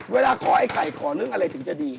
เวลาขอไอ้ไข่ขอเรื่องอะไรถึงจะดี